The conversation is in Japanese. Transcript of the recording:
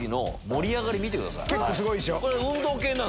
結構すごいでしょ。